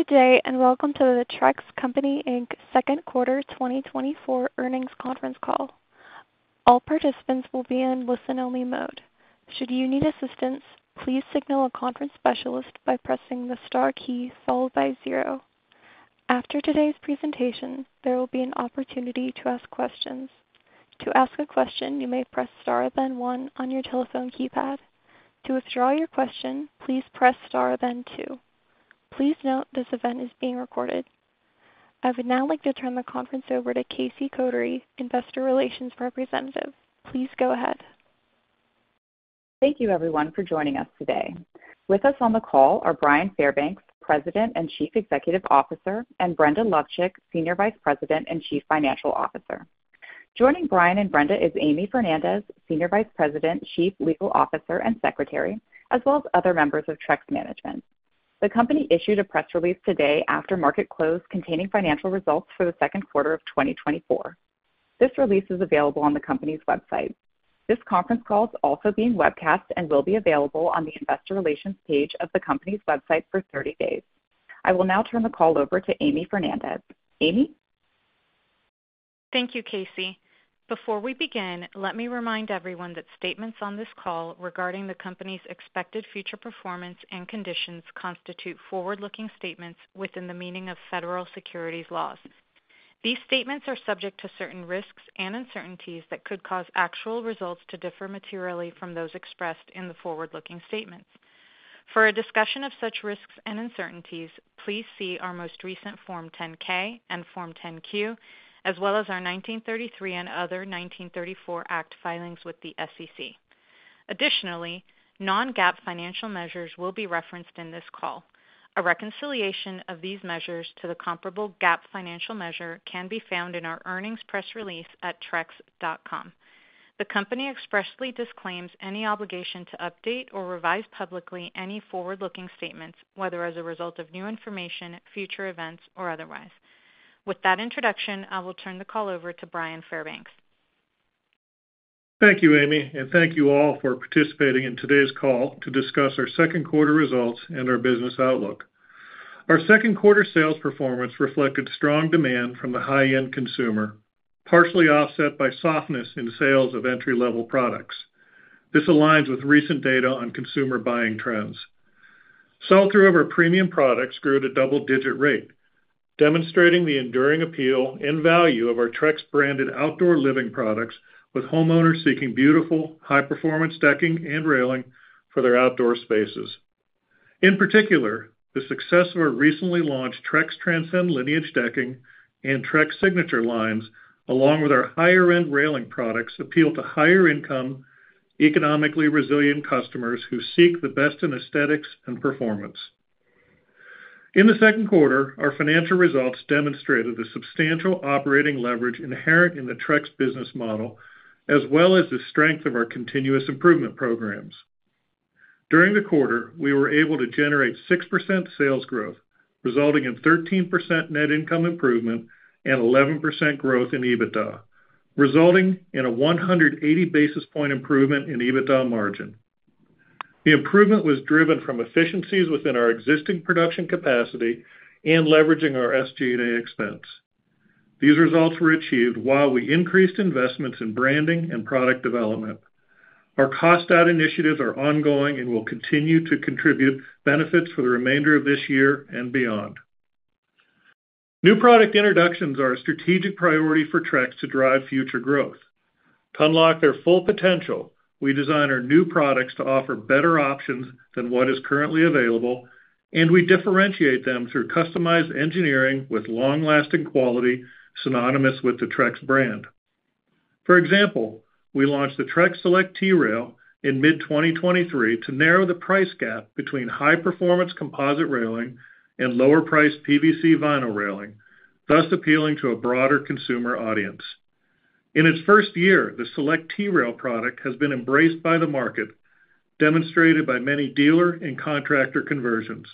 Good day, and welcome to the Trex Company, Inc second quarter 2024 earnings conference call. All participants will be in listen-only mode. Should you need assistance, please signal a conference specialist by pressing the star key followed by zero. After today's presentation, there will be an opportunity to ask questions. To ask a question, you may press star then one on your telephone keypad. To withdraw your question, please press star then two. Please note, this event is being recorded. I would now like to turn the conference over to Casey Kotary, investor relations representative. Please go ahead. Thank you, everyone, for joining us today. With us on the call are Bryan Fairbanks, President and Chief Executive Officer, and Brenda Lovcik, Senior Vice President and Chief Financial Officer. Joining Bryan and Brenda is Amy Fernandez, Senior Vice President, Chief Legal Officer, and Secretary, as well as other members of Trex Management. The company issued a press release today after market close, containing financial results for the second quarter of 2024. This release is available on the company's website. This conference call is also being webcast and will be available on the investor relations page of the company's website for 30 days. I will now turn the call over to Amy Fernandez. Amy? Thank you, Casey. Before we begin, let me remind everyone that statements on this call regarding the company's expected future performance and conditions constitute forward-looking statements within the meaning of federal securities laws. These statements are subject to certain risks and uncertainties that could cause actual results to differ materially from those expressed in the forward-looking statements. For a discussion of such risks and uncertainties, please see our most recent Form 10-K and Form 10-Q, as well as our 1933 and other 1934 Act filings with the SEC. Additionally, non-GAAP financial measures will be referenced in this call. A reconciliation of these measures to the comparable GAAP financial measure can be found in our earnings press release at trex.com. The company expressly disclaims any obligation to update or revise publicly any forward-looking statements, whether as a result of new information, future events, or otherwise. With that introduction, I will turn the call over to Bryan Fairbanks. Thank you, Amy, and thank you all for participating in today's call to discuss our second quarter results and our business outlook. Our second quarter sales performance reflected strong demand from the high-end consumer, partially offset by softness in sales of entry-level products. This aligns with recent data on consumer buying trends. Sell-through of our premium products grew at a double-digit rate, demonstrating the enduring appeal and value of our Trex-branded outdoor living products, with homeowners seeking beautiful, high-performance decking and railing for their outdoor spaces. In particular, the success of our recently launched Trex Transcend Lineage Decking and Trex Signature lines, along with our higher-end railing products, appeal to higher-income, economically resilient customers who seek the best in aesthetics and performance. In the second quarter, our financial results demonstrated the substantial operating leverage inherent in the Trex business model, as well as the strength of our continuous improvement programs. During the quarter, we were able to generate 6% sales growth, resulting in 13% net income improvement and 11% growth in EBITDA, resulting in a 180 basis point improvement in EBITDA margin. The improvement was driven from efficiencies within our existing production capacity and leveraging our SG&A expense. These results were achieved while we increased investments in branding and product development. Our cost-out initiatives are ongoing and will continue to contribute benefits for the remainder of this year and beyond. New product introductions are a strategic priority for Trex to drive future growth. To unlock their full potential, we design our new products to offer better options than what is currently available, and we differentiate them through customized engineering with long-lasting quality synonymous with the Trex brand. For example, we launched the Trex Select T-Rail in mid-2023 to narrow the price gap between high-performance composite railing and lower-priced PVC vinyl railing, thus appealing to a broader consumer audience. In its first year, the Select T-Rail product has been embraced by the market, demonstrated by many dealer and contractor conversions.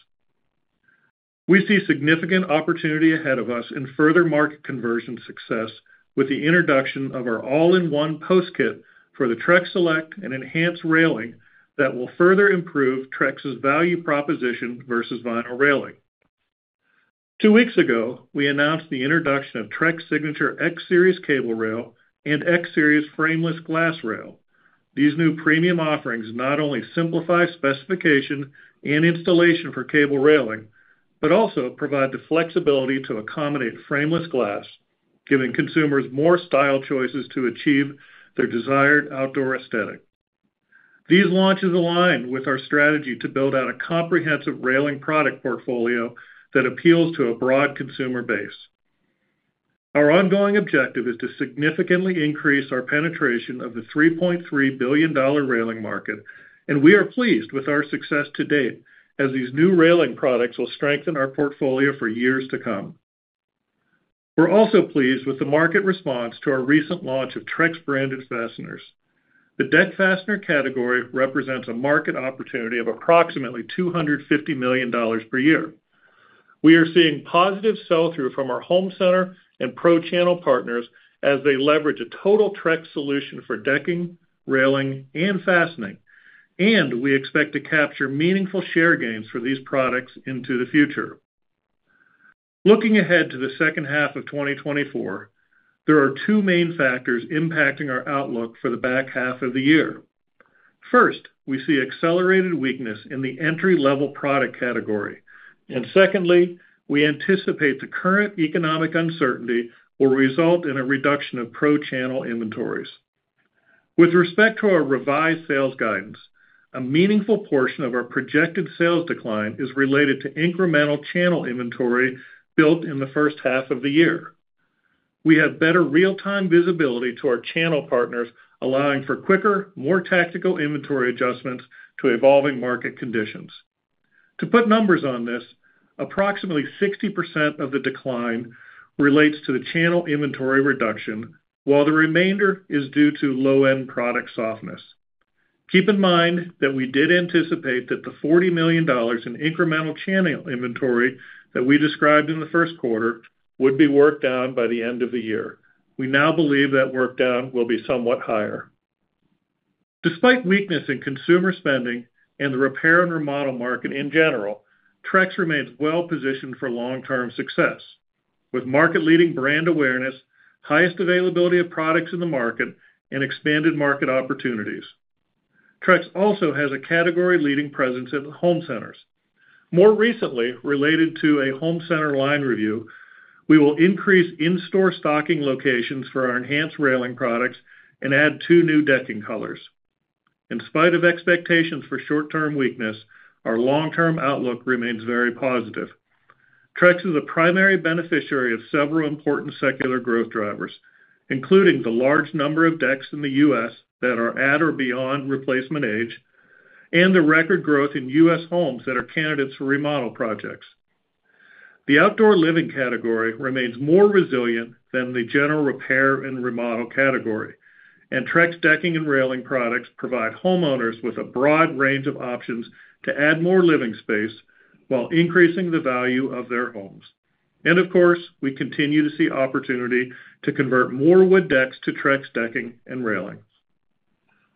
We see significant opportunity ahead of us in further market conversion success with the introduction of our all-in-one post kit for the Trex Select and Enhance railing that will further improve Trex's value proposition versus vinyl railing. Two weeks ago, we announced the introduction of Trex Signature X-Series Cable Rail and X-Series Frameless Glass Rail. These new premium offerings not only simplify specification and installation for cable railing, but also provide the flexibility to accommodate frameless glass, giving consumers more style choices to achieve their desired outdoor aesthetic. These launches align with our strategy to build out a comprehensive railing product portfolio that appeals to a broad consumer base. Our ongoing objective is to significantly increase our penetration of the $3.3 billion railing market, and we are pleased with our success to date, as these new railing products will strengthen our portfolio for years to come. We're also pleased with the market response to our recent launch of Trex-branded fasteners. The deck fastener category represents a market opportunity of approximately $250 million per year. We are seeing positive sell-through from our home center and pro-channel partners as they leverage a total Trex solution for decking, railing, and fastening, and we expect to capture meaningful share gains for these products into the future. Looking ahead to the second half of 2024, there are two main factors impacting our outlook for the back half of the year. First, we see accelerated weakness in the entry-level product category. And secondly, we anticipate the current economic uncertainty will result in a reduction of Pro channel inventories. With respect to our revised sales guidance, a meaningful portion of our projected sales decline is related to incremental channel inventory built in the first half of the year. We have better real-time visibility to our channel partners, allowing for quicker, more tactical inventory adjustments to evolving market conditions. To put numbers on this, approximately 60% of the decline relates to the channel inventory reduction, while the remainder is due to low-end product softness. Keep in mind that we did anticipate that the $40 million in incremental channel inventory that we described in the first quarter would be worked down by the end of the year. We now believe that work down will be somewhat higher. Despite weakness in consumer spending and the repair and remodel market in general, Trex remains well-positioned for long-term success, with market-leading brand awareness, highest availability of products in the market, and expanded market opportunities. Trex also has a category-leading presence in home centers. More recently, related to a home center line review, we will increase in-store stocking locations for our Enhance railing products and add two new decking colors. In spite of expectations for short-term weakness, our long-term outlook remains very positive. Trex is a primary beneficiary of several important secular growth drivers, including the large number of decks in the U.S. that are at or beyond replacement age, and the record growth in U.S. homes that are candidates for remodel projects. The outdoor living category remains more resilient than the general repair and remodel category, and Trex decking and railing products provide homeowners with a broad range of options to add more living space while increasing the value of their homes. Of course, we continue to see opportunity to convert more wood decks to Trex decking and railings.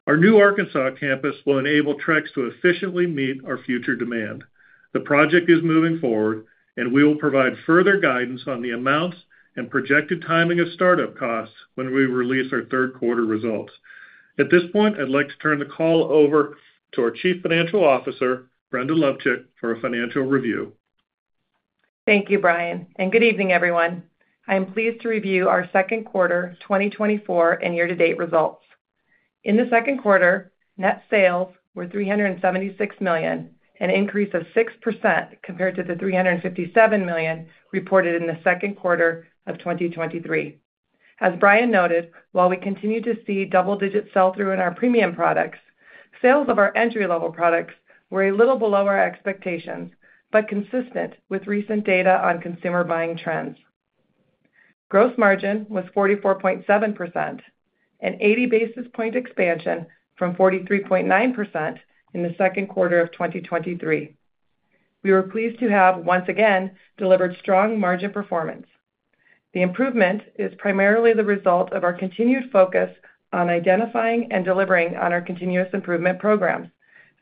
Our new Arkansas campus will enable Trex to efficiently meet our future demand. The project is moving forward, and we will provide further guidance on the amounts and projected timing of startup costs when we release our third quarter results. At this point, I'd like to turn the call over to our Chief Financial Officer, Brenda Lovcik, for a financial review. Thank you, Bryan, and good evening, everyone. I am pleased to review our second quarter 2024 and year-to-date results. In the second quarter, net sales were $376 million, an increase of 6% compared to the $357 million reported in the second quarter of 2023. As Bryan noted, while we continue to see double-digit sell-through in our premium products, sales of our entry-level products were a little below our expectations, but consistent with recent data on consumer buying trends. Gross margin was 44.7%, an 80 basis point expansion from 43.9% in the second quarter of 2023. We were pleased to have, once again, delivered strong margin performance. The improvement is primarily the result of our continued focus on identifying and delivering on our continuous improvement programs,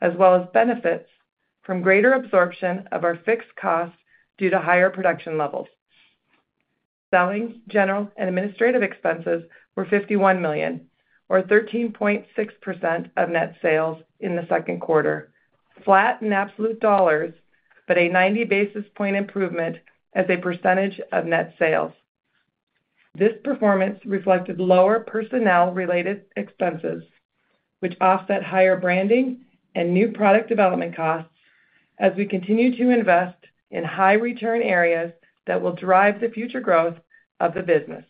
as well as benefits from greater absorption of our fixed costs due to higher production levels. Selling, general, and administrative expenses were $51 million, or 13.6% of net sales in the second quarter, flat in absolute dollars, but a 90 basis point improvement as a percentage of net sales. This performance reflected lower personnel-related expenses, which offset higher branding and new product development costs as we continue to invest in high-return areas that will drive the future growth of the business.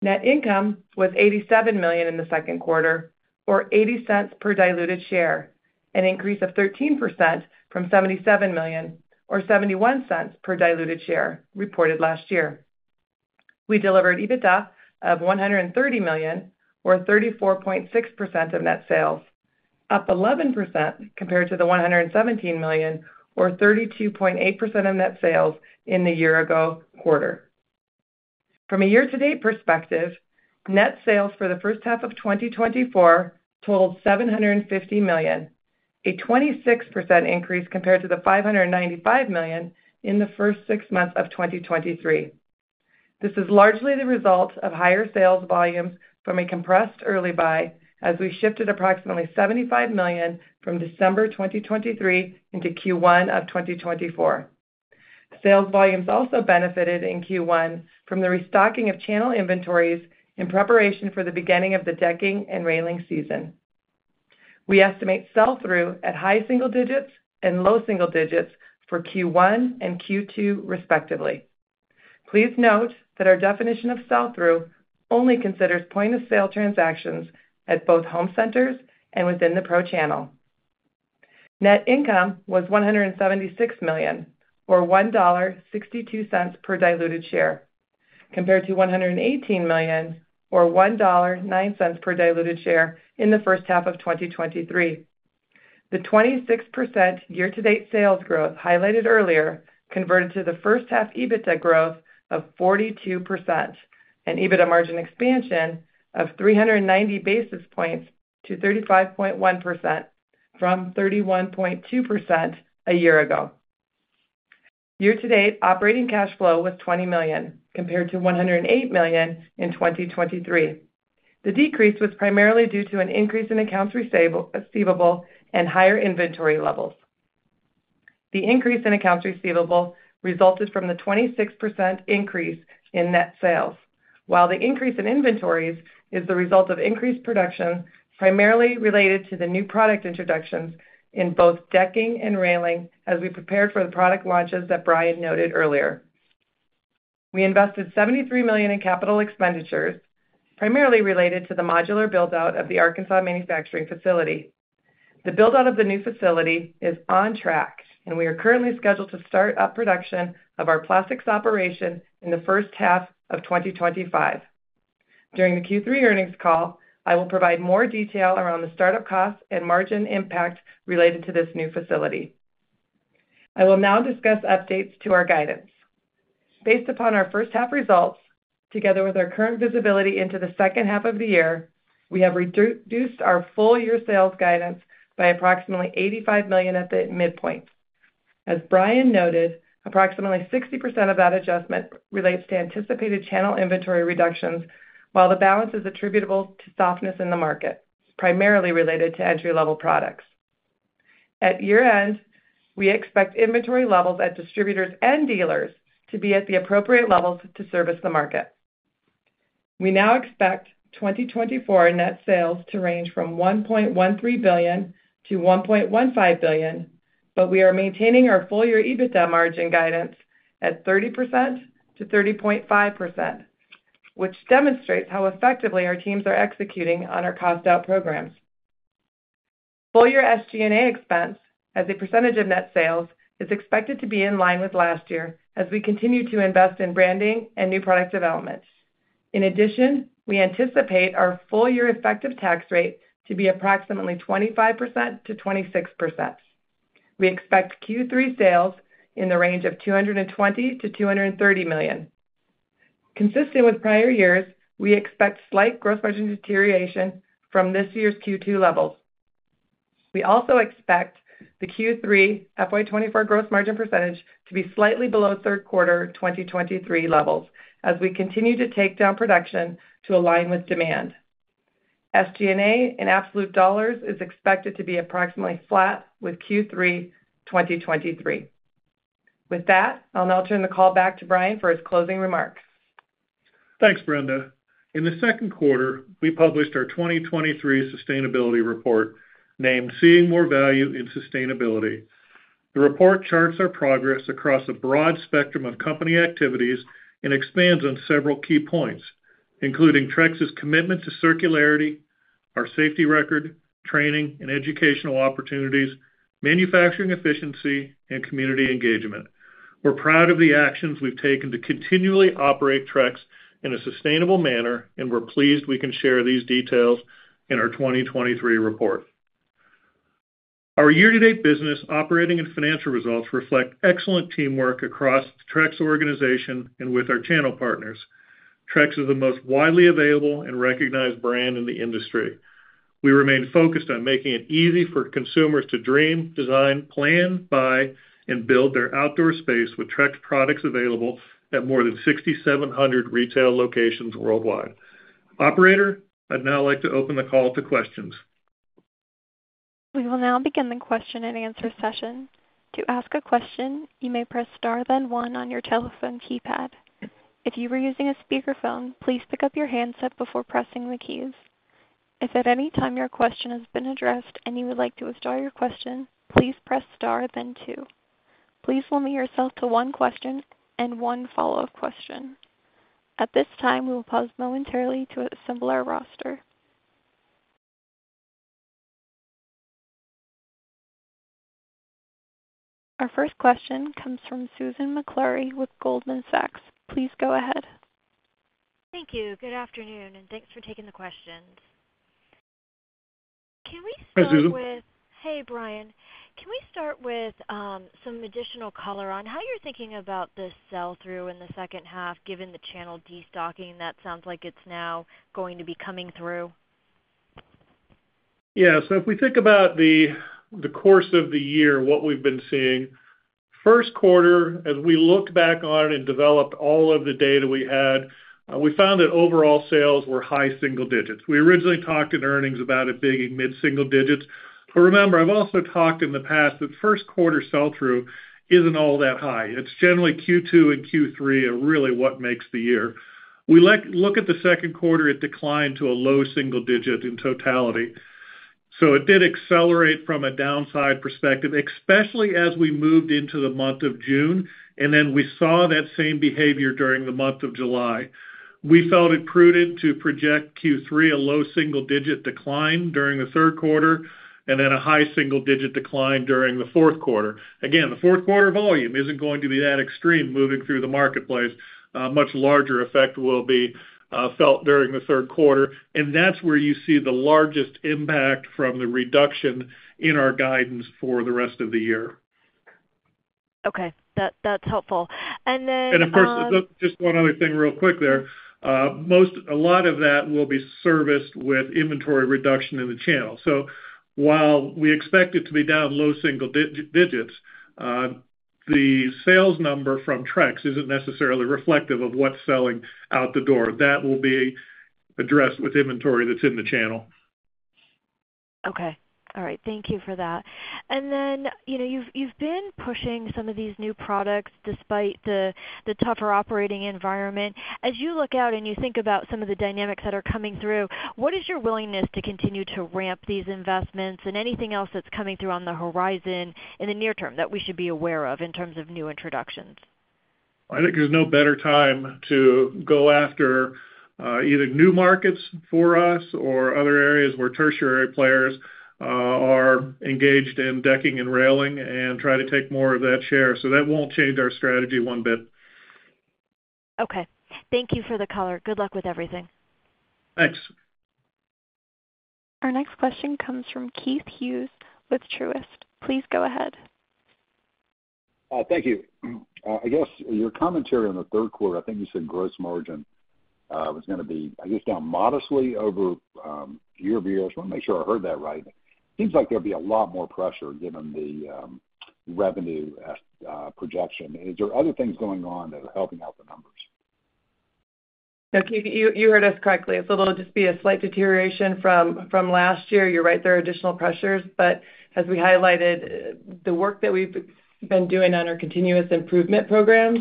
Net income was $87 million in the second quarter, or $0.80 per diluted share, an increase of 13% from $77 million, or $0.71 per diluted share reported last year. We delivered EBITDA of $130 million, or 34.6% of net sales, up 11% compared to the $117 million, or 32.8% of net sales in the year-ago quarter. From a year-to-date perspective, net sales for the first half of 2024 totaled $750 million, a 26% increase compared to the $595 million in the first six months of 2023. This is largely the result of higher sales volumes from a compressed early buy as we shifted approximately $75 million from December 2023 into Q1 of 2024. Sales volumes also benefited in Q1 from the restocking of channel inventories in preparation for the beginning of the decking and railing season. We estimate sell-through at high single digits and low single digits for Q1 and Q2, respectively. Please note that our definition of sell-through only considers point-of-sale transactions at both home centers and within the pro channel. Net income was $176 million, or $1.62 per diluted share, compared to $118 million, or $1.09 per diluted share in the first half of 2023. The 26% year-to-date sales growth highlighted earlier converted to the first half EBITDA growth of 42% and EBITDA margin expansion of 390 basis points to 35.1% from 31.2% a year ago. Year-to-date operating cash flow was $20 million, compared to $108 million in 2023. The decrease was primarily due to an increase in accounts receivable and higher inventory levels. The increase in accounts receivable resulted from the 26% increase in net sales, while the increase in inventories is the result of increased production, primarily related to the new product introductions in both decking and railing as we prepared for the product launches that Bryan noted earlier. We invested $73 million in capital expenditures, primarily related to the modular build-out of the Arkansas manufacturing facility. The build-out of the new facility is on track, and we are currently scheduled to start up production of our plastics operation in the first half of 2025. During the Q3 earnings call, I will provide more detail around the start-up costs and margin impact related to this new facility. I will now discuss updates to our guidance. Based upon our first half results, together with our current visibility into the second half of the year, we have reduced our full year sales guidance by approximately $85 million at the midpoint. As Bryan noted, approximately 60% of that adjustment relates to anticipated channel inventory reductions, while the balance is attributable to softness in the market, primarily related to entry-level products. At year-end, we expect inventory levels at distributors and dealers to be at the appropriate levels to service the market. We now expect 2024 net sales to range from $1.13 billion-$1.15 billion, but we are maintaining our full-year EBITDA margin guidance at 30%-30.5%, which demonstrates how effectively our teams are executing on our cost out programs. Full-year SG&A expense as a percentage of net sales is expected to be in line with last year as we continue to invest in branding and new product developments. In addition, we anticipate our full-year effective tax rate to be approximately 25%-26%. We expect Q3 sales in the range of $220 million-$230 million. Consistent with prior years, we expect slight gross margin deterioration from this year's Q2 levels. We also expect the Q3 FY 2024 gross margin percentage to be slightly below third quarter 2023 levels as we continue to take down production to align with demand. SG&A in absolute dollars is expected to be approximately flat with Q3 2023. With that, I'll now turn the call back to Bryan for his closing remarks. Thanks, Brenda. In the second quarter, we published our 2023 Sustainability Report, named Seeing More Value in Sustainability. The report charts our progress across a broad spectrum of company activities and expands on several key points, including Trex's commitment to circularity, our safety record, training and educational opportunities, manufacturing efficiency, and community engagement. We're proud of the actions we've taken to continually operate Trex in a sustainable manner, and we're pleased we can share these details in our 2023 report. Our year-to-date business, operating and financial results reflect excellent teamwork across the Trex organization and with our channel partners. Trex is the most widely available and recognized brand in the industry. We remain focused on making it easy for consumers to dream, design, plan, buy, and build their outdoor space with Trex products available at more than 6,700 retail locations worldwide. Operator, I'd now like to open the call to questions. We will now begin the question and answer session. To ask a question, you may press star, then one on your telephone keypad. If you are using a speakerphone, please pick up your handset before pressing the keys. If at any time your question has been addressed and you would like to withdraw your question, please press star, then two. Please limit yourself to one question and one follow-up question. At this time, we will pause momentarily to assemble our roster. Our first question comes from Susan Maklari with Goldman Sachs. Please go ahead. Thank you. Good afternoon, and thanks for taking the questions. Hi, Susan. Can we start with... Hey, Bryan. Can we start with, some additional color on how you're thinking about the sell-through in the second half, given the channel destocking? That sounds like it's now going to be coming through. Yeah. So if we think about the course of the year, what we've been seeing, first quarter, as we looked back on it and developed all of the data we had, we found that overall sales were high single digits. We originally talked in earnings about it being mid-single digits. But remember, I've also talked in the past that first quarter sell-through isn't all that high. It's generally Q2 and Q3 are really what makes the year. We look at the second quarter, it declined to a low single digit in totality. So it did accelerate from a downside perspective, especially as we moved into the month of June, and then we saw that same behavior during the month of July. We felt it prudent to project Q3 a low single-digit decline during the third quarter, and then a high single-digit decline during the fourth quarter. Again, the fourth quarter volume isn't going to be that extreme moving through the marketplace. Much larger effect will be felt during the third quarter, and that's where you see the largest impact from the reduction in our guidance for the rest of the year. Okay. That, that's helpful. And then, Of course, just one other thing real quick there. A lot of that will be serviced with inventory reduction in the channel. So while we expect it to be down low single digits, the sales number from Trex isn't necessarily reflective of what's selling out the door. That will be addressed with inventory that's in the channel. Okay. All right. Thank you for that. And then, you know, you've been pushing some of these new products despite the tougher operating environment. As you look out and you think about some of the dynamics that are coming through, what is your willingness to continue to ramp these investments and anything else that's coming through on the horizon in the near term that we should be aware of in terms of new introductions? I think there's no better time to go after, either new markets for us or other areas where tertiary players are engaged in decking and railing and try to take more of that share. So that won't change our strategy one bit. Okay. Thank you for the color. Good luck with everything. Thanks. Our next question comes from Keith Hughes with Truist. Please go ahead. Thank you. I guess your commentary on the third quarter, I think you said gross margin was gonna be, I guess, down modestly over year-over-year. I just want to make sure I heard that right. Seems like there'll be a lot more pressure given the revenue projection. Is there other things going on that are helping out the numbers? No, Keith, you heard us correctly. So there'll just be a slight deterioration from last year. You're right, there are additional pressures, but as we highlighted, the work that we've been doing on our continuous improvement programs,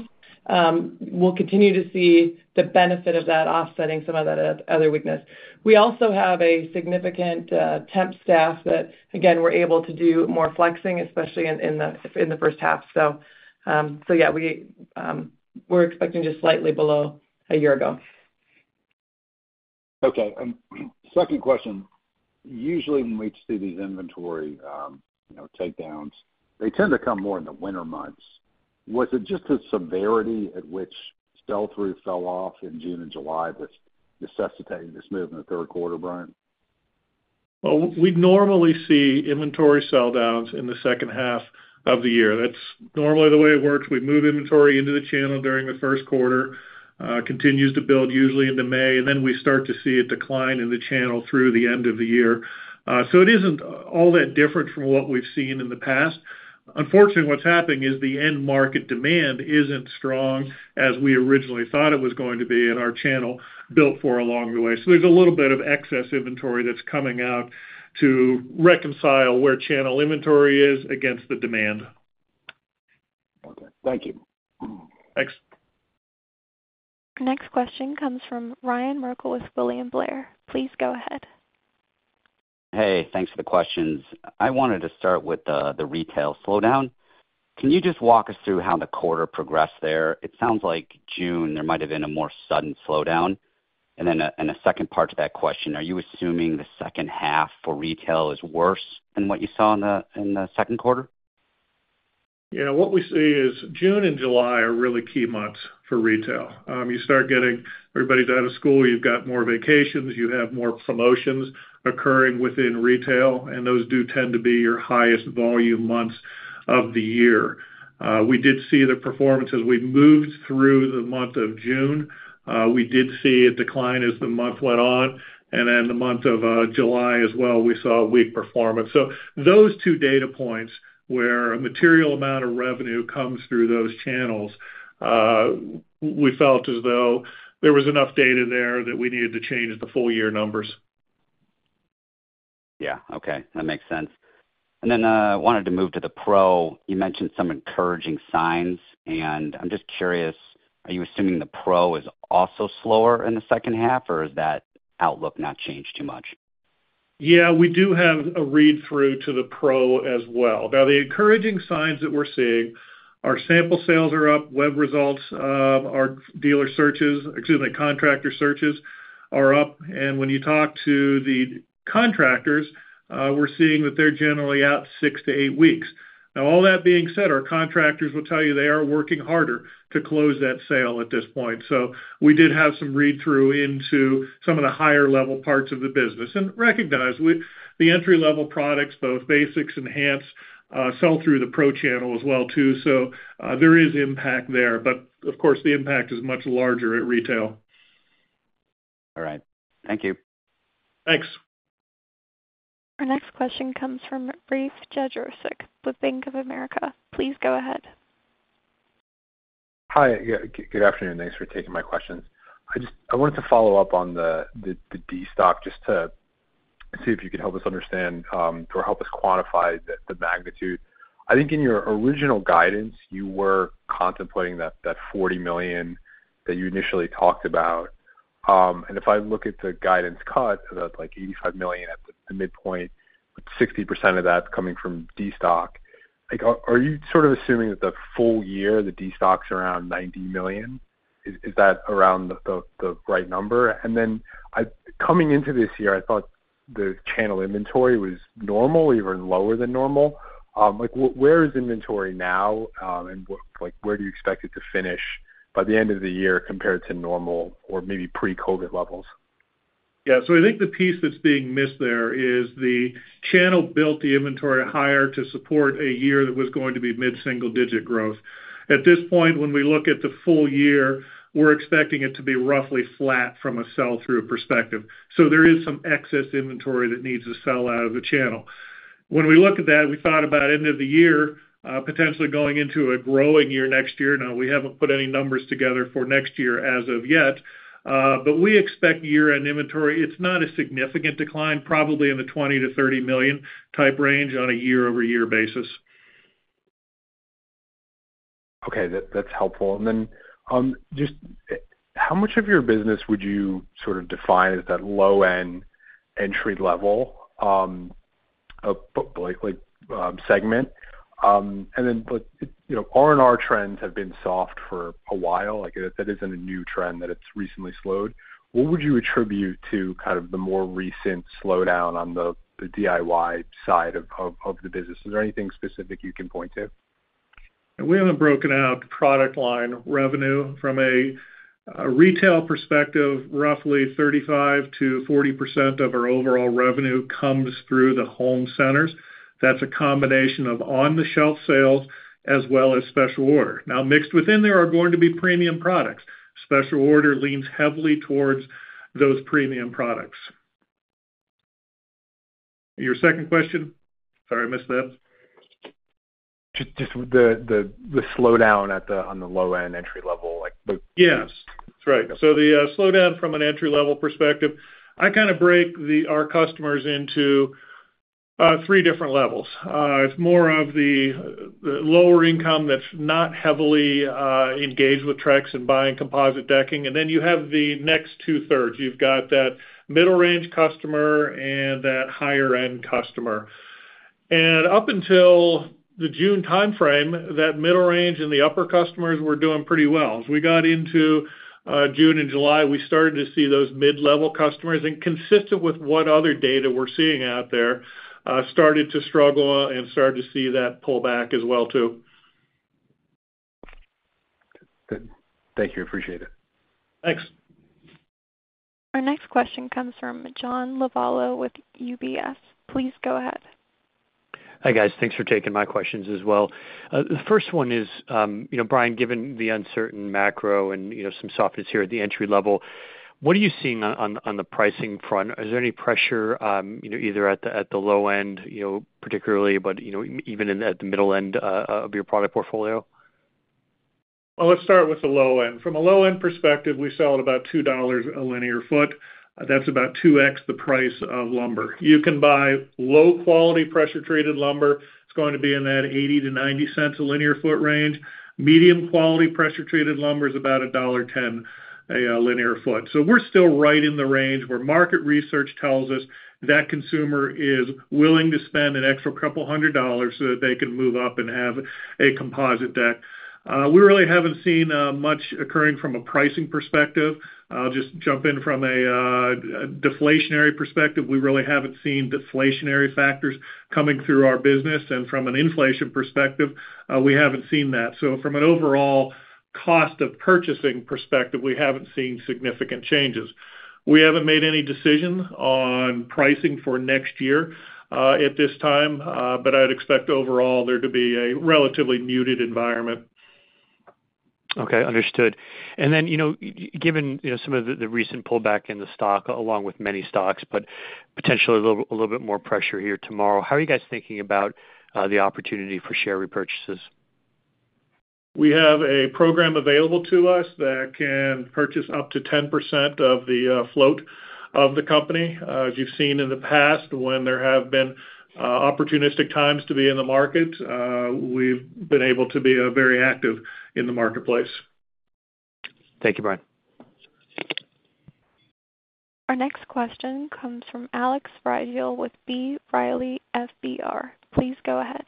we'll continue to see the benefit of that offsetting some of that other weakness. We also have a significant temp staff that, again, we're able to do more flexing, especially in the first half. So yeah, we're expecting just slightly below a year ago. Okay. Second question. Usually, when we see these inventory, you know, takedowns, they tend to come more in the winter months. Was it just the severity at which sell-through fell off in June and July that's necessitating this move in the third quarter, Bryan? Well, we'd normally see inventory sell downs in the second half of the year. That's normally the way it works. We move inventory into the channel during the first quarter, continues to build usually into May, and then we start to see a decline in the channel through the end of the year. So it isn't all that different from what we've seen in the past. Unfortunately, what's happening is the end market demand isn't strong as we originally thought it was going to be, and our channel built for along the way. So there's a little bit of excess inventory that's coming out to reconcile where channel inventory is against the demand. Okay. Thank you. Thanks. Our next question comes from Ryan Merkel with William Blair. Please go ahead. Hey, thanks for the questions. I wanted to start with the retail slowdown. Can you just walk us through how the quarter progressed there? It sounds like June, there might have been a more sudden slowdown. And then a second part to that question, are you assuming the second half for retail is worse than what you saw in the second quarter? Yeah, what we see is June and July are really key months for retail. You start getting everybody out of school, you've got more vacations, you have more promotions occurring within retail, and those do tend to be your highest volume months of the year. We did see the performance as we moved through the month of June. We did see a decline as the month went on, and then the month of July as well, we saw a weak performance. So those two data points, where a material amount of revenue comes through those channels, we felt as though there was enough data there that we needed to change the full year numbers. Yeah. Okay, that makes sense. And then, I wanted to move to the pro. You mentioned some encouraging signs, and I'm just curious, are you assuming the pro is also slower in the second half, or has that outlook not changed too much? Yeah, we do have a read-through to the pro as well. Now, the encouraging signs that we're seeing, our sample sales are up, web results, our dealer searches, excuse me, contractor searches are up, and when you talk to the contractors, we're seeing that they're generally out six to eight weeks. Now, all that being said, our contractors will tell you they are working harder to close that sale at this point. So we did have some read-through into some of the higher level parts of the business. And recognize, we, the entry-level products, both Basics and Enhance, sell through the pro channel as well, too. So, there is impact there, but of course, the impact is much larger at retail. All right. Thank you. Thanks. Our next question comes from Rafe Jadrosich with Bank of America. Please go ahead. Hi, yeah, good afternoon. Thanks for taking my questions. I just wanted to follow up on the destock, just to see if you could help us understand or help us quantify the magnitude. I think in your original guidance, you were contemplating that $40 million that you initially talked about. And if I look at the guidance cut, so that's like $85 million at the midpoint, 60% of that coming from destock. Like, are you sort of assuming that the full year, the destock's around $90 million? Is that around the right number? And then coming into this year, I thought the channel inventory was normal or even lower than normal. Like, where is inventory now? And like, where do you expect it to finish by the end of the year compared to normal or maybe pre-COVID levels? Yeah, so I think the piece that's being missed there is the channel built the inventory higher to support a year that was going to be mid-single digit growth. At this point, when we look at the full year, we're expecting it to be roughly flat from a sell-through perspective. So there is some excess inventory that needs to sell out of the channel. When we look at that, we thought about end of the year, potentially going into a growing year next year. Now, we haven't put any numbers together for next year as of yet, but we expect year-end inventory. It's not a significant decline, probably in the $20 million-$30 million type range on a year-over-year basis. Okay, that's helpful. And then, just, how much of your business would you sort of define as that low-end entry level, like, segment? And then, but, you know, R&R trends have been soft for a while, like that isn't a new trend, that it's recently slowed. What would you attribute to kind of the more recent slowdown on the DIY side of the business? Is there anything specific you can point to? We haven't broken out product line revenue. From a retail perspective, roughly 35%-40% of our overall revenue comes through the home centers. That's a combination of on-the-shelf sales as well as special order. Now, mixed within there are going to be premium products. Special order leans heavily towards those premium products. Your second question? Sorry, I missed that. Just the slowdown on the low-end entry level, like the- Yes, that's right. So the slowdown from an entry-level perspective, I kind of break our customers into three different levels. It's more of the lower income that's not heavily engaged with Trex and buying composite decking, and then you have the next two thirds. You've got that middle range customer and that higher end customer. And up until the June timeframe, that middle range and the upper customers were doing pretty well. As we got into June and July, we started to see those mid-level customers, and consistent with what other data we're seeing out there, started to struggle and started to see that pull back as well, too. Good. Thank you, appreciate it. Thanks. Our next question comes from John Lovallo with UBS. Please go ahead. Hi, guys. Thanks for taking my questions as well. The first one is, you know, Bryan, given the uncertain macro and, you know, some softness here at the entry level, what are you seeing on the pricing front? Is there any pressure, you know, either at the low end, particularly, but, you know, even in at the middle end of your product portfolio? Well, let's start with the low end. From a low-end perspective, we sell at about $2 a linear foot. That's about 2x the price of lumber. You can buy low-quality pressure-treated lumber, it's going to be in that $0.80-$0.90 a linear foot range. Medium quality pressure-treated lumber is about $1.10 a linear foot. So we're still right in the range where market research tells us that consumer is willing to spend an extra couple hundred dollars so that they can move up and have a composite deck. We really haven't seen much occurring from a pricing perspective. I'll just jump in from a deflationary perspective. We really haven't seen deflationary factors coming through our business, and from an inflation perspective, we haven't seen that. So from an overall cost of purchasing perspective, we haven't seen significant changes. We haven't made any decisions on pricing for next year, at this time, but I'd expect overall there to be a relatively muted environment. Okay, understood. And then, you know, given, you know, some of the recent pullback in the stock, along with many stocks, but potentially a little, a little bit more pressure here tomorrow, how are you guys thinking about the opportunity for share repurchases? We have a program available to us that can purchase up to 10% of the float of the company. As you've seen in the past, when there have been opportunistic times to be in the market, we've been able to be very active in the marketplace. Thank you, Bryan. Our next question comes from Alex Rygiel with B. Riley Securities. Please go ahead.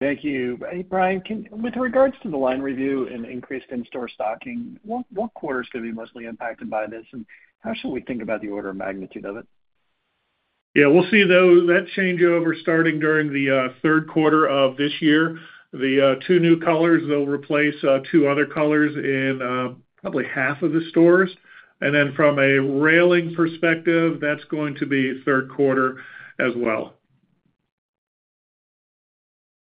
Thank you. Hey, Bryan, with regards to the line review and increased in-store stocking, what, what quarter is going to be mostly impacted by this, and how should we think about the order of magnitude of it? Yeah, we'll see those, that changeover starting during the third quarter of this year. The two new colors, they'll replace two other colors in probably half of the stores. And then from a railing perspective, that's going to be third quarter as well.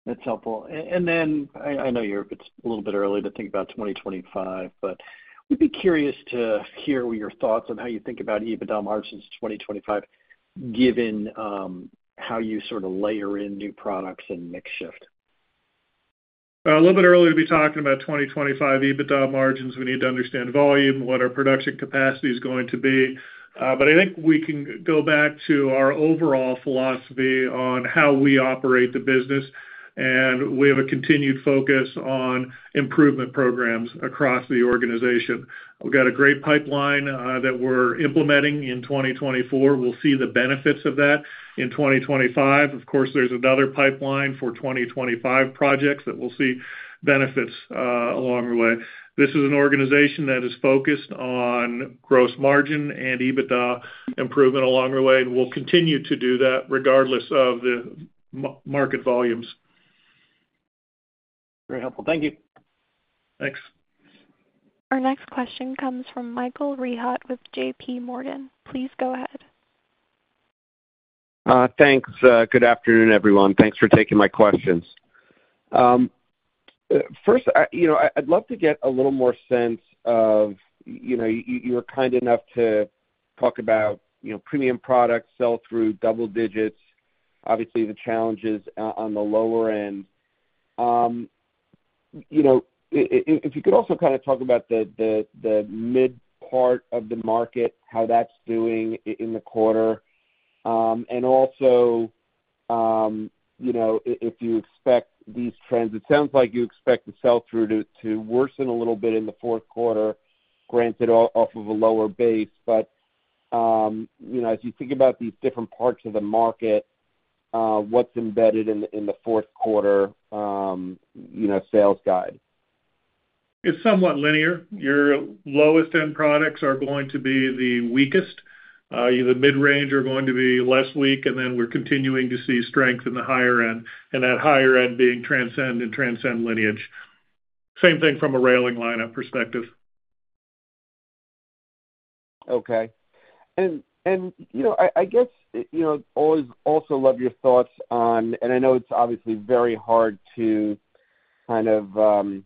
That's helpful. And then I know it's a little bit early to think about 2025, but we'd be curious to hear your thoughts on how you think about EBITDA margins in 2025, given how you sort of layer in new products and mix shift. A little bit early to be talking about 2025 EBITDA margins. We need to understand volume, what our production capacity is going to be. But I think we can go back to our overall philosophy on how we operate the business, and we have a continued focus on improvement programs across the organization. We've got a great pipeline that we're implementing in 2024. We'll see the benefits of that in 2025. Of course, there's another pipeline for 2025 projects that we'll see benefits along the way. This is an organization that is focused on gross margin and EBITDA improvement along the way, and we'll continue to do that regardless of the market volumes. Very helpful. Thank you. Thanks. Our next question comes from Michael Rehaut with JPMorgan. Please go ahead. Thanks. Good afternoon, everyone. Thanks for taking my questions. First, you know, I'd love to get a little more sense of, you know, you were kind enough to talk about, you know, premium products, sell-through double digits, obviously the challenges on the lower end. You know, if you could also kind of talk about the mid part of the market, how that's doing in the quarter. And also, you know, if you expect these trends, it sounds like you expect the sell-through to worsen a little bit in the fourth quarter, granted off of a lower base. But, you know, as you think about these different parts of the market, what's embedded in the fourth quarter, you know, sales guide? It's somewhat linear. Your lowest end products are going to be the weakest. The mid-range are going to be less weak, and then we're continuing to see strength in the higher end, and that higher end being Transcend and Transcend Lineage. Same thing from a railing lineup perspective. Okay. And you know, I guess you know always also love your thoughts on... And I know it's obviously very hard to kind of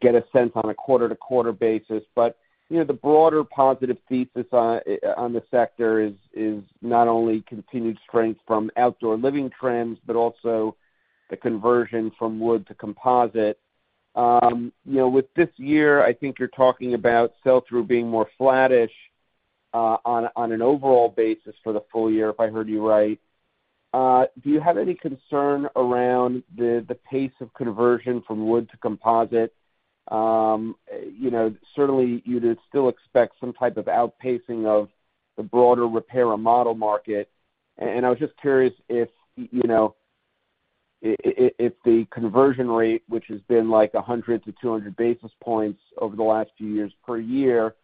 get a sense on a quarter-to-quarter basis, but you know, the broader positive thesis on the sector is not only continued strength from outdoor living trends, but also the conversion from wood to composite. You know, with this year, I think you're talking about sell-through being more flattish on an overall basis for the full year, if I heard you right. Do you have any concern around the pace of conversion from wood to composite? You know, certainly, you'd still expect some type of outpacing of the broader repair or model market. I was just curious if, you know, if the conversion rate, which has been like 100-200 basis points over the last few years per year,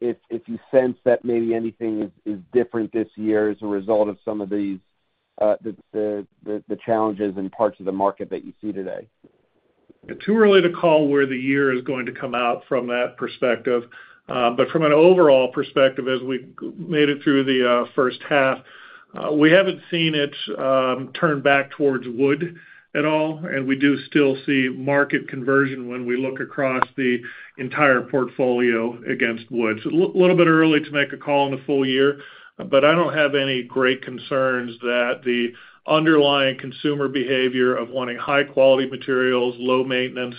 if you sense that maybe anything is different this year as a result of some of these, the challenges in parts of the market that you see today. Too early to call where the year is going to come out from that perspective. But from an overall perspective, as we made it through the first half, we haven't seen it turn back towards wood at all, and we do still see market conversion when we look across the entire portfolio against wood. So a little bit early to make a call on the full year, but I don't have any great concerns that the underlying consumer behavior of wanting high-quality materials, low maintenance,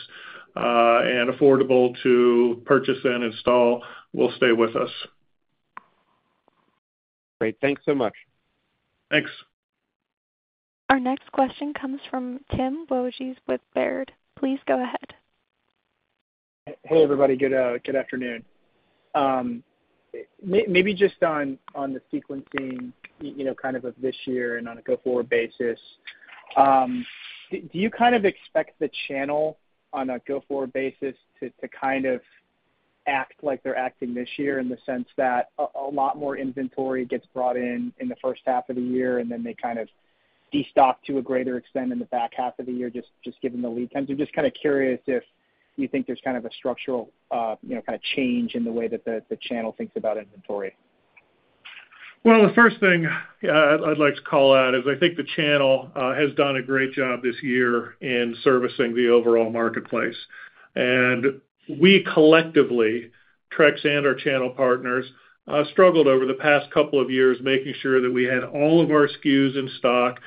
and affordable to purchase and install will stay with us. Great. Thanks so much. Thanks. Our next question comes from Tim Wojs with Baird. Please go ahead. Hey, everybody. Good, good afternoon. Maybe just on the sequencing, you know, kind of this year and on a go-forward basis, do you kind of expect the channel on a go-forward basis to kind of act like they're acting this year in the sense that a lot more inventory gets brought in in the first half of the year, and then they kind of destock to a greater extent in the back half of the year, just given the lead times? I'm just kind of curious if you think there's kind of a structural, you know, kind of change in the way that the channel thinks about inventory. Well, the first thing I'd like to call out is I think the channel has done a great job this year in servicing the overall marketplace. And we collectively, Trex and our channel partners, struggled over the past couple of years, making sure that we had all of our SKUs in stock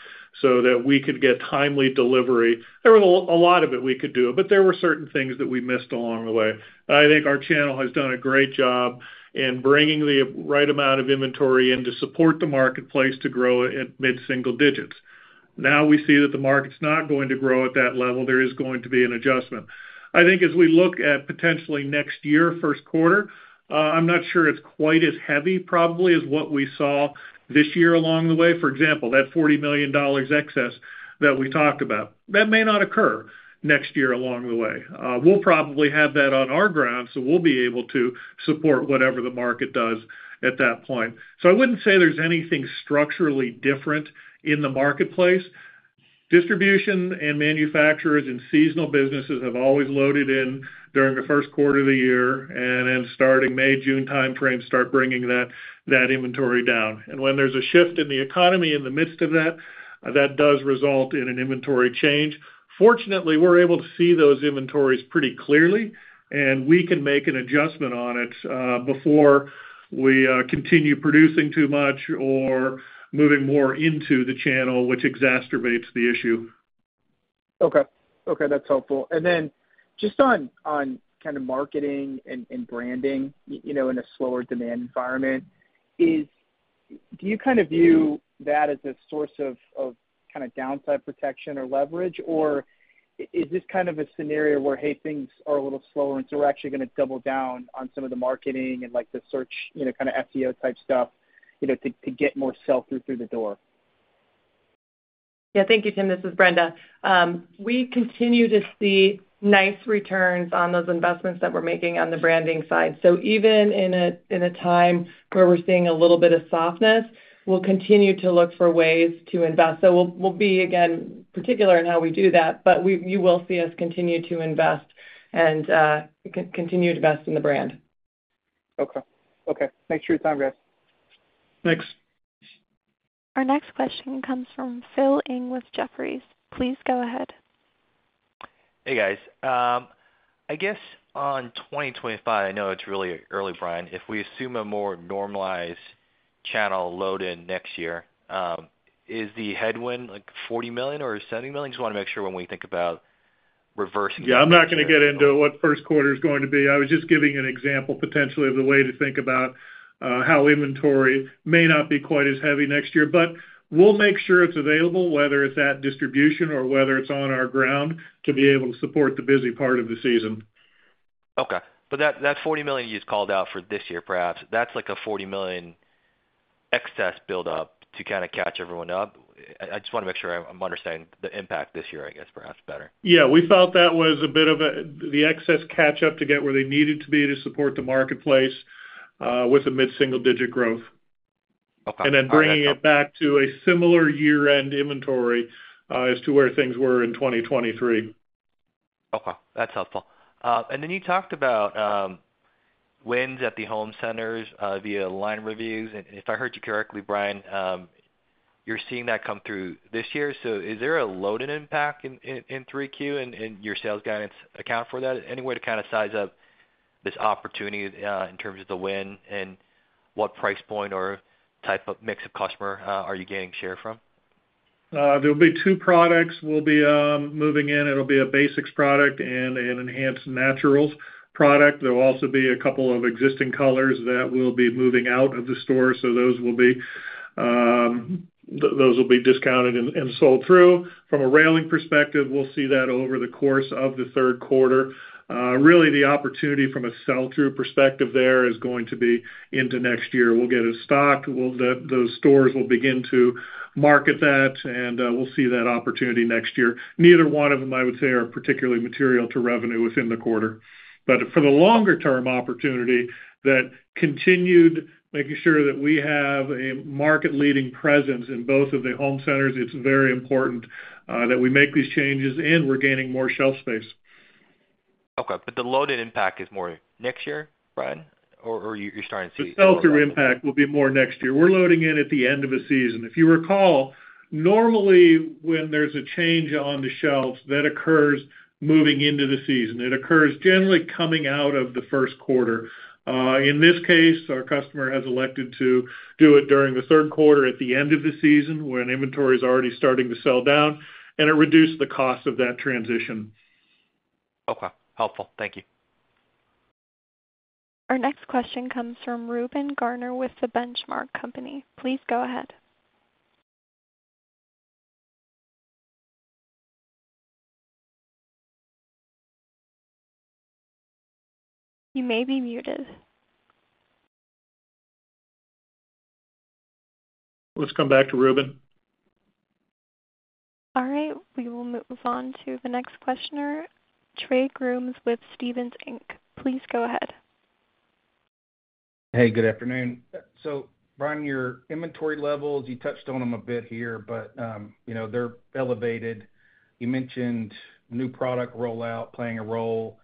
so that we could get timely delivery. There were a lot of it we could do, but there were certain things that we missed along the way. I think our channel has done a great job in bringing the right amount of inventory in to support the marketplace to grow at mid-single digits. Now, we see that the market's not going to grow at that level. There is going to be an adjustment. I think as we look at potentially next year, first quarter, I'm not sure it's quite as heavy probably as what we saw this year along the way. For example, that $40 million excess that we talked about, that may not occur next year along the way. We'll probably have that on our grounds, so we'll be able to support whatever the market does at that point. So I wouldn't say there's anything structurally different in the marketplace. Distribution and manufacturers and seasonal businesses have always loaded in during the first quarter of the year, and then starting May, June timeframe, start bringing that, that inventory down. And when there's a shift in the economy in the midst of that, that does result in an inventory change. Fortunately, we're able to see those inventories pretty clearly, and we can make an adjustment on it before we continue producing too much or moving more into the channel, which exacerbates the issue. Okay. Okay, that's helpful. And then just on kind of marketing and branding, you know, in a slower demand environment, is do you kind of view that as a source of kind of downside protection or leverage? Or is this kind of a scenario where, hey, things are a little slower, and so we're actually gonna double down on some of the marketing and like the search, you know, kind of SEO type stuff, you know, to get more sell-through through the door? Yeah, thank you, Tim. This is Brenda. We continue to see nice returns on those investments that we're making on the branding side. So even in a time where we're seeing a little bit of softness, we'll continue to look for ways to invest. So we'll be, again, particular in how we do that, but you will see us continue to invest and continue to invest in the brand. Okay. Okay, thanks for your time, guys. Thanks. Our next question comes from Phil Ng with Jefferies. Please go ahead. Hey, guys. I guess on 2025, I know it's really early, Bryan, if we assume a more normalized channel load in next year, is the headwind, like, $40 million or $70 million? Just wanna make sure when we think about reversing- Yeah, I'm not gonna get into what first quarter is going to be. I was just giving an example, potentially, of the way to think about how inventory may not be quite as heavy next year. But we'll make sure it's available, whether it's at distribution or whether it's on our ground, to be able to support the busy part of the season. Okay, but that $40 million you just called out for this year, perhaps that's like a $40 million excess buildup to kind of catch everyone up. I just wanna make sure I'm understanding the impact this year, I guess, perhaps better. Yeah, we felt that was a bit of an excess catch up to get where they needed to be to support the marketplace with a mid-single-digit growth. Okay. And then bringing it back to a similar year-end inventory as to where things were in 2023. Okay, that's helpful. And then you talked about wins at the home centers via line reviews, and if I heard you correctly, Bryan, you're seeing that come through this year. So is there a load in impact in 3Q, and your sales guidance account for that? Any way to kind of size up this opportunity in terms of the win and what price point or type of mix of customer are you gaining share from? There'll be two products. We'll be moving in. It'll be a Basics product and an Enhance Naturals product. There will also be a couple of existing colors that will be moving out of the store. So those will be discounted and sold through. From a railing perspective, we'll see that over the course of the third quarter. Really, the opportunity from a sell-through perspective there is going to be into next year. We'll get it stocked, those stores will begin to market that, and we'll see that opportunity next year. Neither one of them, I would say, are particularly material to revenue within the quarter. But for the longer term opportunity, that continued making sure that we have a market-leading presence in both of the home centers, it's very important that we make these changes, and we're gaining more shelf space. Okay, but the load in impact is more next year, Bryan? Or, or you're starting to see- The sell-through impact will be more next year. We're loading in at the end of a season. If you recall, normally, when there's a change on the shelves, that occurs moving into the season. It occurs generally coming out of the first quarter. In this case, our customer has elected to do it during the third quarter at the end of the season, when inventory is already starting to sell down, and it reduced the cost of that transition. Okay. Helpful. Thank you. Our next question comes from Reuben Garner with The Benchmark Company. Please go ahead. You may be muted. Let's come back to Reuben. All right, we will move on to the next questioner, Trey Grooms with Stephens Inc. Please go ahead. Hey, good afternoon. So Bryan, your inventory levels, you touched on them a bit here, but, you know, they're elevated. You mentioned new product rollout playing a role.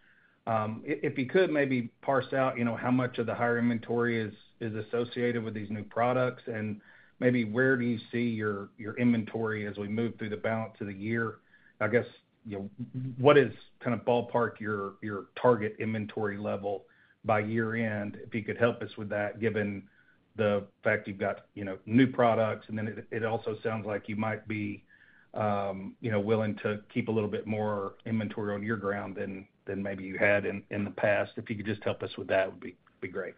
If you could maybe parse out, you know, how much of the higher inventory is associated with these new products, and maybe where do you see your inventory as we move through the balance of the year? I guess, you know, what is kind of ballpark your target inventory level by year end? If you could help us with that, given the fact you've got, you know, new products, and then it also sounds like you might be, you know, willing to keep a little bit more inventory on your ground than maybe you had in the past. If you could just help us with that, would be great.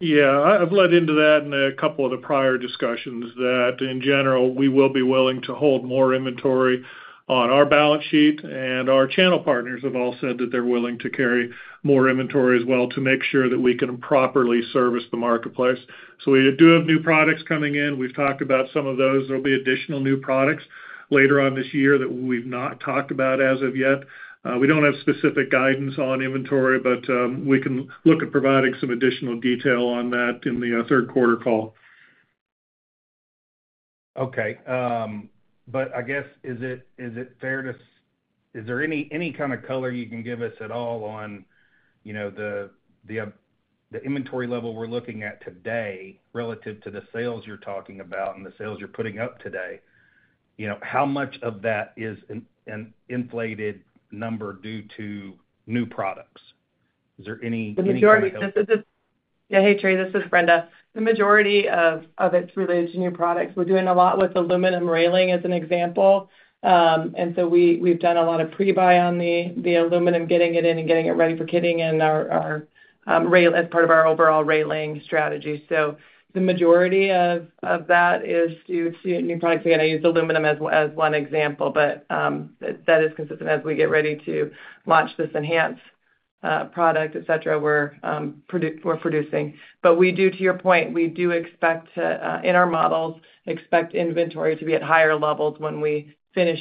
Yeah, I've led into that in a couple of the prior discussions, that in general, we will be willing to hold more inventory on our balance sheet, and our channel partners have all said that they're willing to carry more inventory as well, to make sure that we can properly service the marketplace. So we do have new products coming in. We've talked about some of those. There'll be additional new products later on this year that we've not talked about as of yet. We don't have specific guidance on inventory, but we can look at providing some additional detail on that in the third quarter call. Okay, but I guess, is there any kind of color you can give us at all on, you know, the inventory level we're looking at today relative to the sales you're talking about and the sales you're putting up today? You know, how much of that is an inflated number due to new products? The majority, yeah, hey, Trey, this is Brenda. The majority of it is related to new products. We're doing a lot with aluminum railing, as an example. And so we've done a lot of pre-buy on the aluminum, getting it in and getting it ready for kitting in our railing as part of our overall railing strategy. So the majority of that is due to new products. Again, I used aluminum as one example, but that is consistent as we get ready to launch this Enhance product, et cetera. We're producing. But we do, to your point, expect to, in our models, expect inventory to be at higher levels when we finish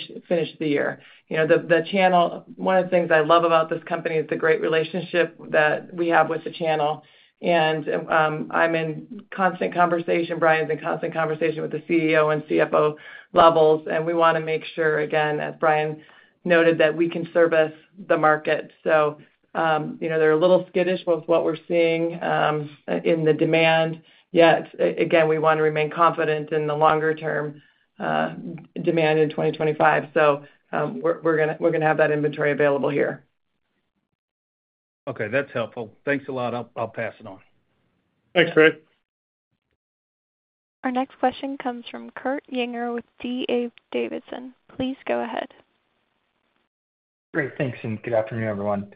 the year. You know, the channel. One of the things I love about this company is the great relationship that we have with the channel. And, I'm in constant conversation, Bryan's in constant conversation with the CEO and CFO levels, and we wanna make sure, again, as Bryan noted, that we can service the market. So, you know, they're a little skittish with what we're seeing in the demand. Yet, again, we wanna remain confident in the longer-term demand in 2025. So, we're gonna have that inventory available here. Okay, that's helpful. Thanks a lot. I'll, I'll pass it on. Thanks, Trey. Our next question comes from Kurt Yinger with D.A. Davidson. Please go ahead. Great. Thanks, and good afternoon, everyone.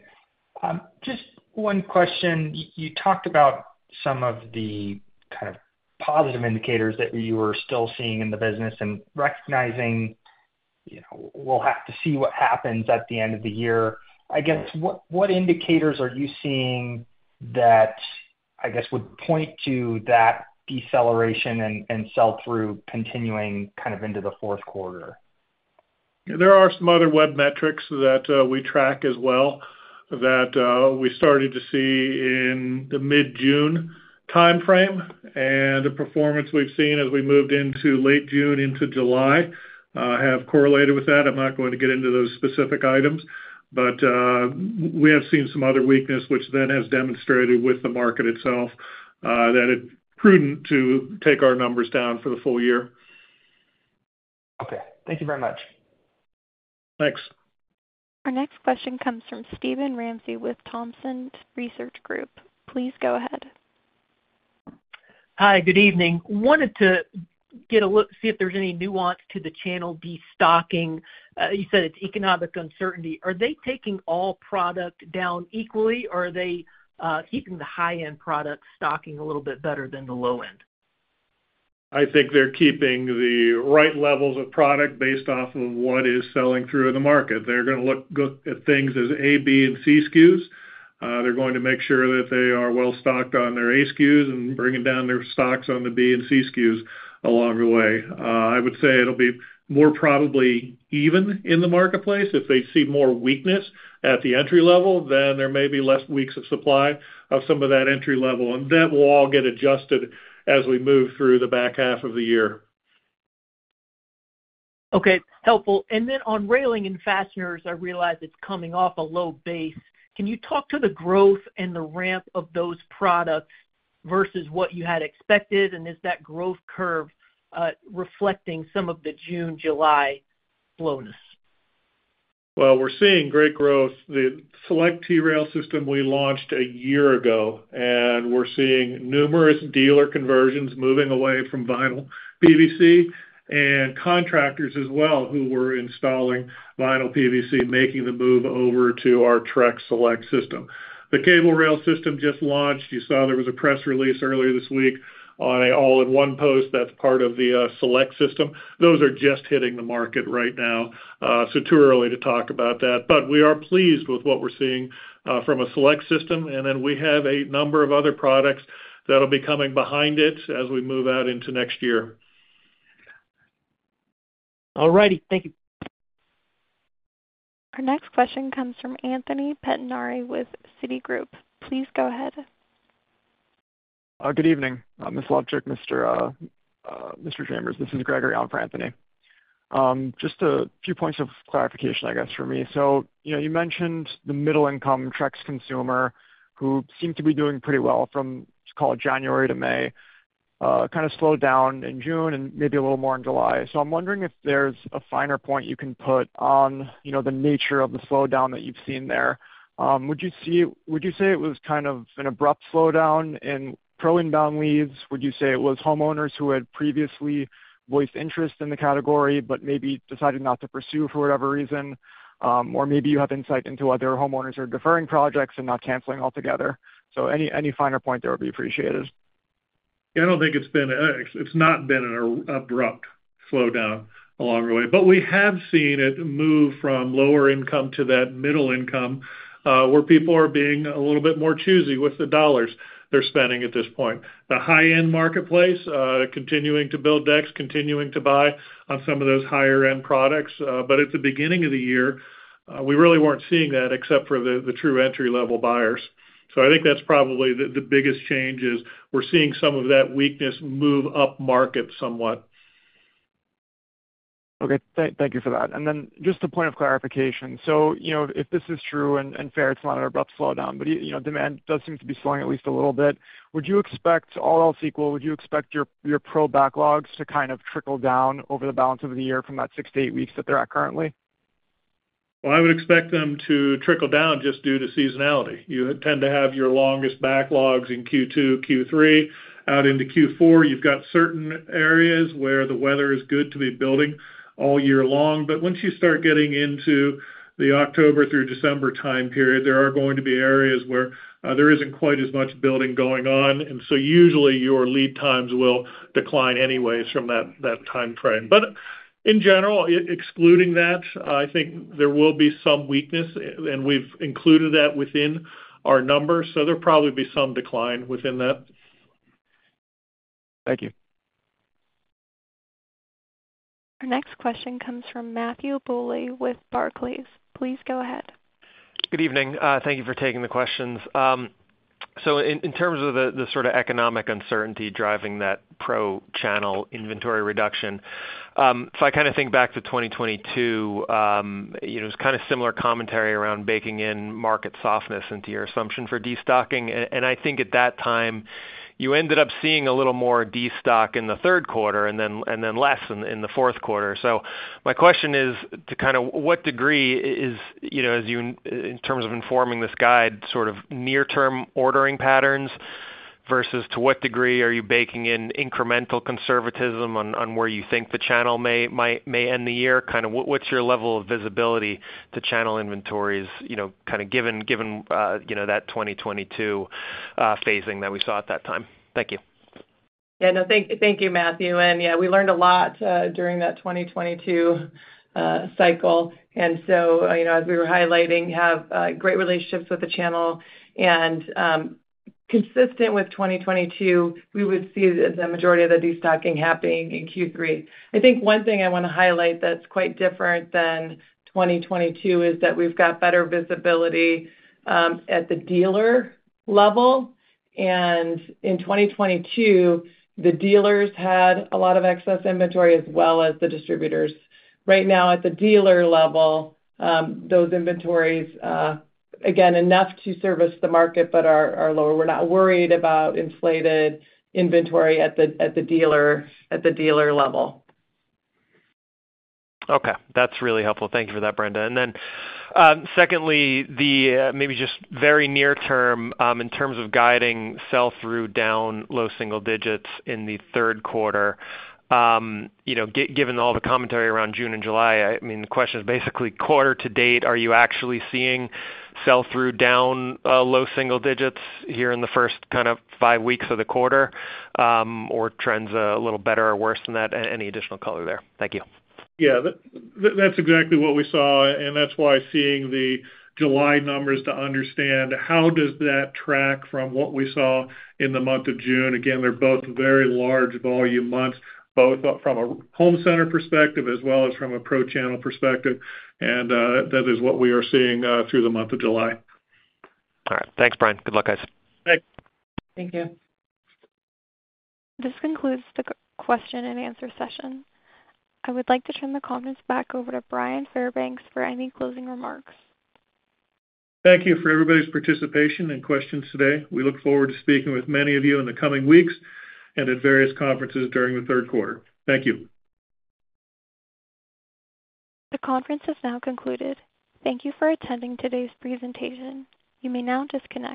Just one question. You talked about some of the kind of positive indicators that you were still seeing in the business and recognizing, you know, we'll have to see what happens at the end of the year. I guess, what indicators are you seeing that, I guess, would point to that deceleration and sell-through continuing kind of into the fourth quarter? There are some other web metrics that we track as well, that we started to see in the mid-June timeframe, and the performance we've seen as we moved into late June into July have correlated with that. I'm not going to get into those specific items. But we have seen some other weakness, which then has demonstrated with the market itself that it's prudent to take our numbers down for the full year. Okay, thank you very much. Thanks. Our next question comes from Steven Ramsey with Thompson Research Group. Please go ahead. Hi, good evening. Wanted to get a look, see if there's any nuance to the channel destocking. You said it's economic uncertainty. Are they taking all product down equally, or are they keeping the high-end product stocking a little bit better than the low end? I think they're keeping the right levels of product based off of what is selling through in the market. They're gonna look at things as A, B and C SKUs. They're going to make sure that they are well stocked on their A SKUs and bringing down their stocks on the B and C SKUs along the way. I would say it'll be more probably even in the marketplace. If they see more weakness at the entry level, then there may be less weeks of supply of some of that entry level, and that will all get adjusted as we move through the back half of the year. Okay, helpful. And then on railing and fasteners, I realize it's coming off a low base. Can you talk to the growth and the ramp of those products versus what you had expected? And is that growth curve, reflecting some of the June, July slowness? Well, we're seeing great growth. The Select T-Rail system we launched a year ago, and we're seeing numerous dealer conversions moving away from vinyl PVC, and contractors as well, who were installing vinyl PVC, making the move over to our Trex Select system. The Cable Rail system just launched. You saw there was a press release earlier this week on a all-in-one post that's part of the Select system. Those are just hitting the market right now, so too early to talk about that. But we are pleased with what we're seeing from a Select system, and then we have a number of other products that'll be coming behind it as we move out into next year. All righty. Thank you. Our next question comes from Anthony Pettinari with Citigroup. Please go ahead. Good evening, Ms. Lovcik, Mr. Chambers. This is Gregory on for Anthony. Just a few points of clarification, I guess, from me. So, you know, you mentioned the middle-income Trex consumer, who seemed to be doing pretty well from, let's call it, January to May, kind of slowed down in June and maybe a little more in July. So I'm wondering if there's a finer point you can put on, you know, the nature of the slowdown that you've seen there. Would you say it was kind of an abrupt slowdown in pro inbound leads? Would you say it was homeowners who had previously voiced interest in the category, but maybe decided not to pursue for whatever reason? Or maybe you have insight into whether homeowners are deferring projects and not canceling altogether. Any finer point there would be appreciated. I don't think it's been an abrupt slowdown along the way. But we have seen it move from lower income to that middle income, where people are being a little bit more choosy with the dollars they're spending at this point. The high-end marketplace continuing to build decks, continuing to buy on some of those higher-end products. But at the beginning of the year, we really weren't seeing that, except for the true entry-level buyers. So I think that's probably the biggest change is we're seeing some of that weakness move upmarket somewhat. Okay. Thank you for that. And then just a point of clarification: So, you know, if this is true and fair, it's not an abrupt slowdown, but you know, demand does seem to be slowing at least a little bit. Would you expect, all else equal, would you expect your pro backlogs to kind of trickle down over the balance of the year from that 6-8 weeks that they're at currently? Well, I would expect them to trickle down just due to seasonality. You tend to have your longest backlogs in Q2, Q3. Out into Q4, you've got certain areas where the weather is good to be building all year long. But once you start getting into the October through December time period, there are going to be areas where there isn't quite as much building going on, and so usually, your lead times will decline anyways from that time frame. But in general, excluding that, I think there will be some weakness, and we've included that within our numbers, so there'll probably be some decline within that. Thank you. Our next question comes from Matthew Bouley with Barclays. Please go ahead. Good evening. Thank you for taking the questions. So in terms of the sort of economic uncertainty driving that pro channel inventory reduction, so I kind of think back to 2022, you know, it's kind of similar commentary around baking in market softness into your assumption for destocking. And I think at that time, you ended up seeing a little more destock in the third quarter, and then less in the fourth quarter. So my question is, to kind of what degree is, you know, as you in terms of informing this guide, sort of near-term ordering patterns, versus to what degree are you baking in incremental conservatism on where you think the channel may end the year? Kind of what, what's your level of visibility to channel inventories, you know, kind of given, given, you know, that 2022 phasing that we saw at that time? Thank you. Yeah. No, thank you, Matthew. And yeah, we learned a lot during that 2022 cycle. And so, you know, as we were highlighting, have great relationships with the channel. And, consistent with 2022, we would see the majority of the destocking happening in Q3. I think one thing I wanna highlight that's quite different than 2022 is that we've got better visibility at the dealer level. And in 2022, the dealers had a lot of excess inventory as well as the distributors. Right now, at the dealer level, those inventories, again, enough to service the market but are lower. We're not worried about inflated inventory at the dealer level. Okay. That's really helpful. Thank you for that, Brenda. And then, secondly, the, maybe just very near term, in terms of guiding sell-through down low single digits in the third quarter, you know, given all the commentary around June and July, I mean, the question is basically quarter to date, are you actually seeing sell-through down, low single digits here in the first kind of five weeks of the quarter, or trends a little better or worse than that? Any additional color there? Thank you. Yeah, that's exactly what we saw, and that's why seeing the July numbers to understand how does that track from what we saw in the month of June? Again, they're both very large volume months, both from a home center perspective as well as from a pro channel perspective, and that is what we are seeing through the month of July. All right. Thanks, Bryan. Good luck, guys. Thanks. Thank you. This concludes the question and answer session. I would like to turn the conference back over to Bryan Fairbanks for any closing remarks. Thank you for everybody's participation and questions today. We look forward to speaking with many of you in the coming weeks and at various conferences during the third quarter. Thank you. The conference has now concluded. Thank you for attending today's presentation. You may now disconnect.